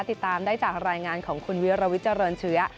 ติดตามได้จากรายงานของคุณวิรวิทย์เจริญเชื้อ